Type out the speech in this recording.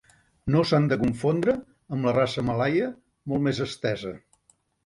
No s'han de confondre amb la raça malaia molt més estesa.